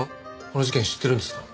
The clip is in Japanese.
この事件知ってるんですか？